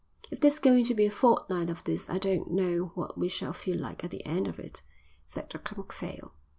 "If there's going to be a fortnight of this I don't know what we shall feel like at the end of it," said Dr Macphail.